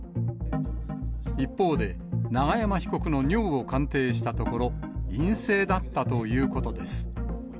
一方で、永山被告の尿を鑑定したところ、陰性だったということです。